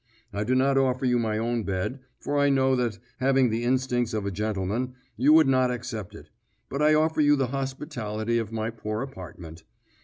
I do not offer you my own bed, for I know that, having the instincts of a gentleman, you would not accept it, but I offer you the hospitality of my poor apartment.